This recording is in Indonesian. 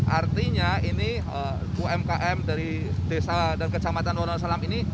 artinya ini umkm dari desa dan kecamatan wonosalam ini